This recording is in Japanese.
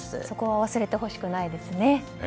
そこは忘れてほしくないですね。